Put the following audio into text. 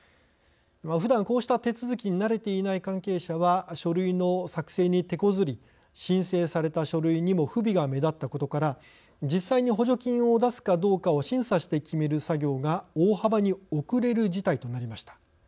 ふだん、こうした手続きに慣れてない関係者は書類の作成に手こずり申請された書類にも不備が目立ったことから実際に補助金を出すかどうかを審査して決める作業が大幅に遅れる事態となりました。